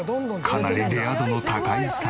かなりレア度の高い魚。